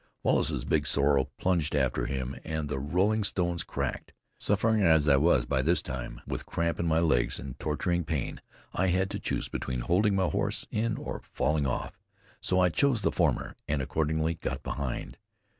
Wallace's big sorrel plunged after him and the rolling stones cracked. Suffering as I was by this time, with cramp in my legs, and torturing pain, I had to choose between holding my horse in or falling off; so I chose the former and accordingly got behind.